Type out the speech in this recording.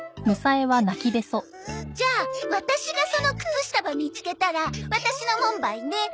じゃあワタシがその靴下ば見つけたらワタシのもんばいね。